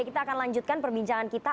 kita akan lanjutkan perbincangan kita